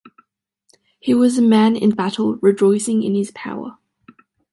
He was a man in battle rejoicing in his power.